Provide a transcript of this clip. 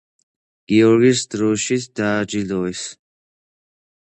გიორგის დროშით დააჯილდოეს.